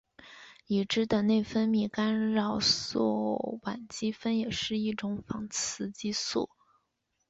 已知的内分泌干扰素烷基酚也是一种仿雌激素。